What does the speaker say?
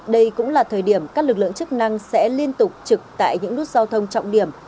đây cũng là thời điểm các lực lượng chức năng sẽ liên tục trực tại những nút giao thông trọng điểm